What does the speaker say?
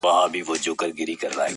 هلک چیغه کړه پر مځکه باندي پلن سو.!